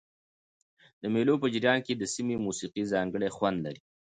د مېلو په جریان کښي د سیمي موسیقي ځانګړی خوند لري.